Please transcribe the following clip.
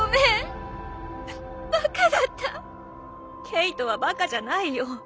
ケイトはバカじゃないよ。